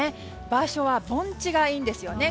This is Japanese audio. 場所は盆地がいいんですよね。